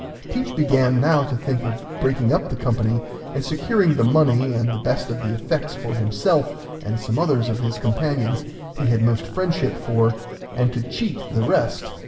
Teach began now to think of breaking up the company and securing the money and the best of the effects for himself and some others of his companions he had most friendship for, and to cheat the rest.